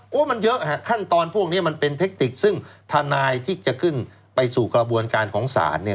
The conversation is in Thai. มันเยอะฮะขั้นตอนพวกนี้มันเป็นเทคติกซึ่งทนายที่จะขึ้นไปสู่กระบวนการของศาลเนี่ย